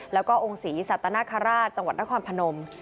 แล้วก็องค์ศรีสัตนคราชจังหวัดนครพนม